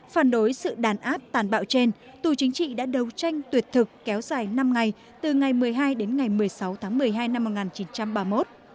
phản đối sự đàn áp tàn bạo trên tù chính trị đã đấu tranh tuyệt thực kéo dài năm ngày từ ngày một mươi hai đến ngày một mươi sáu tháng một mươi hai năm một nghìn chín trăm ba mươi một